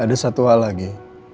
ada satu hal lagi